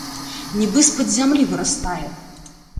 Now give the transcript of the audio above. Нібы з-пад зямлі вырастае.